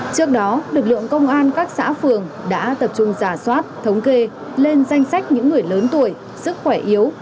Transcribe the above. trước đó lực lượng công an các xã phường đã tập trung giả soát thống kê lên danh sách những người lớn tuổi sức khỏe yếu